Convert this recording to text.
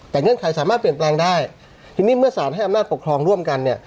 แต่เงื่อนไขสามารถเปลี่ยนแปลงได้ทีนี้เมื่อสารให้อำนาจปกครองร่วมกันเนี่ย